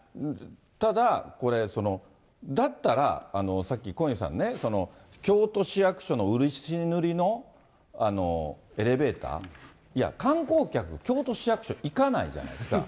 ただこれ、だったら、さっき小西さんね、京都市役所の漆塗りのエレベーター、いや、観光客、京都市役所行かないじゃないですか。